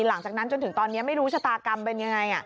หลังจากนั้นจนถึงตอนนี้ไม่รู้ชะตากรรมเป็นยังไง